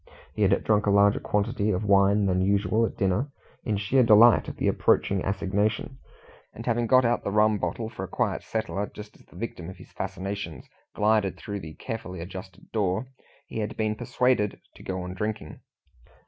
He had drunk a larger quantity of wine than usual at dinner, in sheer delight at the approaching assignation, and having got out the rum bottle for a quiet "settler" just as the victim of his fascinations glided through the carefully adjusted door, he had been persuaded to go on drinking.